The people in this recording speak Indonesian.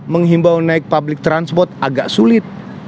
menghimbau naik public transport agak sulit